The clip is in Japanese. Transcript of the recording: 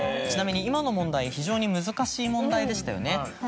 ちなみに今の問題非常に難しい問題でしたよね。